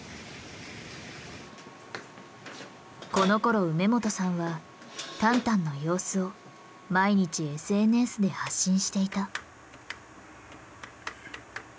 このころ梅元さんはタンタンの様子を毎日ＳＮＳで発信していた。